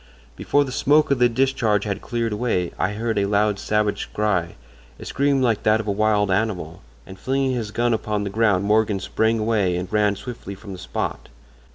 Before the smoke of the discharge had cleared away I heard a loud savage cry—a scream like that of a wild animal—and flinging his gun upon the ground Morgan sprang away and ran swiftly from the spot.